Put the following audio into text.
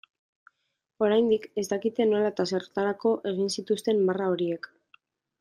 Oraindik ez dakite nola eta zertarako egin zituzten marra horiek.